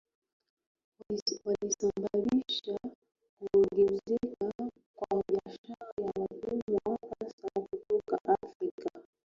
yalisababisha kuongezeka kwa biashara ya watumwa hasa kutoka Afrika